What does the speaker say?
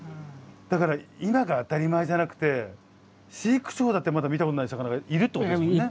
だから今が当たり前じゃなくて飼育長だってまだ見たことない魚がいるってことですもんね。